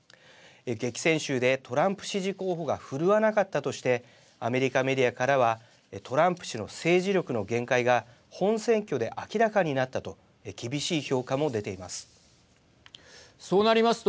激戦州でトランプ支持候補が振るわなかったとしてアメリカメディアからはトランプ氏の政治力の限界が本選挙で明らかになったと厳しい評価も出ています。